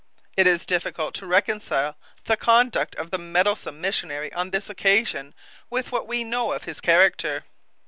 It is difficult to reconcile the conduct of the meddlesome missionary on this occasion with what we know of his character.